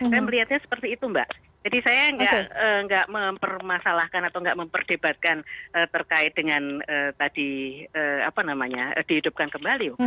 saya melihatnya seperti itu mbak jadi saya nggak mempermasalahkan atau enggak memperdebatkan terkait dengan tadi apa namanya dihidupkan kembali